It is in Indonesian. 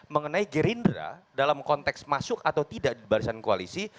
mengenai gerindra dalam konteks masuk atau tidak di barisan koalisi